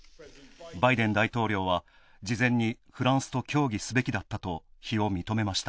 バイデン大統領は事前にフランスと協議すべきだったと非を認めました。